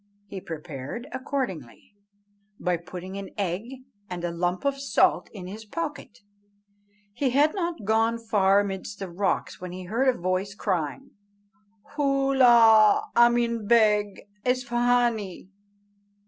He prepared accordingly, by putting an egg and a lump of salt in his pocket. He had not gone far amidst the rocks, when he heard a voice crying, "Holloa, Ameen Beg Isfahânee!